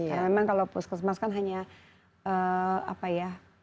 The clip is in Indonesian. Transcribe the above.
karena memang kalau puskesmas kan hanya apa ya